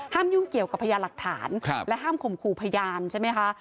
ยุ่งเกี่ยวกับพยานหลักฐานและห้ามข่มขู่พยานใช่ไหมคะ